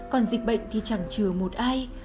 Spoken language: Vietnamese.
còn dịch bệnh thì chẳng chừa một ai